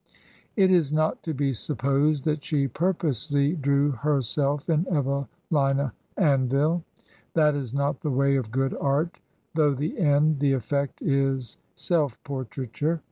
It is not to be supposed that she purposely drew her self in Evelina Anville. That is not the way of good art, though the end, the effect is self portraiture.